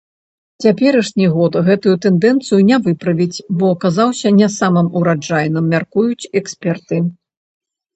Цяперашні год гэтую тэндэнцыю не выправіць, бо аказаўся не самым ураджайным, мяркуюць эксперты.